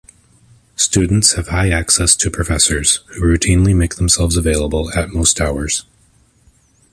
Students have high access to professors, who routinely make themselves available at most hours.